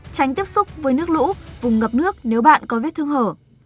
tránh tiếp xúc với nước lũ vùng ngập nước nếu bạn có vết thương hở